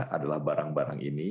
adalah barang barang ini